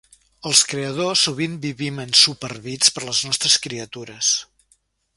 Els creadors sovint vivim ensuperbits per les nostres criatures.